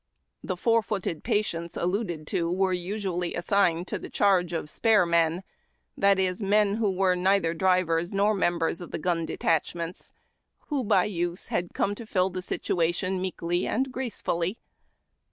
The four footed patients alluded to were usually assigned to the charge of "Spare Men," that is, men who were neither drivers nor members of the gun detach ments, who, by use, had come to fill the situation meekly and gracefully.